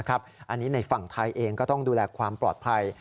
อันนี้ในฝั่งไทยเองก็ต้องดูแลความปลอดภัย